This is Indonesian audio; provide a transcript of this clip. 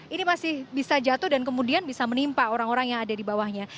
ini masih bisa jatuh dan kemudian bisa menimpa orang orang yang ada di bawahnya